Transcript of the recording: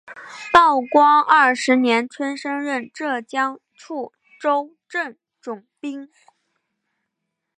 道光二十年春升任浙江处州镇总兵。